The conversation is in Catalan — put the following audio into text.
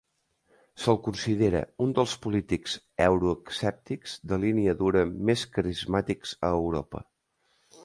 Se'l considera un dels polítics euroescèptics de línia dura més carismàtics a Europa.